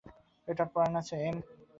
ওটার প্রাণ আছে, এম।